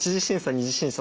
２次審査